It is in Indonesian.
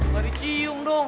gak dicium dong